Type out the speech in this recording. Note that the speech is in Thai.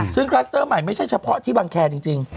ซึ่งคลัสเตอร์ใหม่ไม่ใช่เฉพาะที่บังแคร์จริง